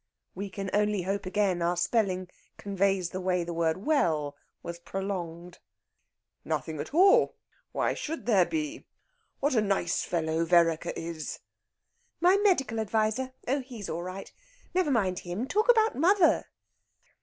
(We can only hope again our spelling conveys the way the word well was prolonged.) "Nothing at all. Why should there be? What a nice fellow Vereker is!" "My medical adviser? Oh, he's all right. Never mind him; talk about mother."